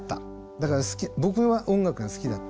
だから僕は音楽が好きだった。